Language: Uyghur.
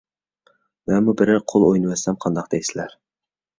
مەنمۇ بىرەر قول ئوينىۋەتسەم قانداق دەيسىلەر!